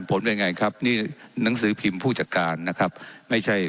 ผลเป็นไงครับนี่หนังสือพิมพ์ผู้จัดการนะครับไม่ใช่